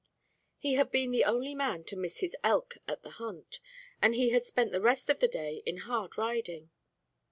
He had been the only man to miss his elk at the hunt, and he had spent the rest of the day in hard riding.